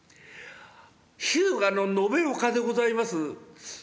「日向の延岡でございます。